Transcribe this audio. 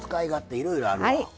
いろいろあるわ。